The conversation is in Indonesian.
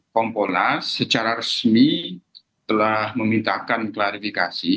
kompolnas secara resmi telah memintakan klarifikasi